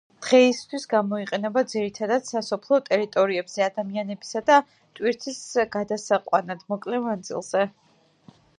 დღეისათვის გამოიყენება ძირითადად სასოფლო ტერიტორიებზე ადამიანებისა და ტვირთის გადასაყვანად მოკლე მანძილზე.